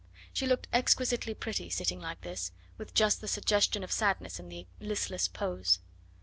She looked exquisitely pretty sitting like this, with just the suggestion of sadness in the listless pose.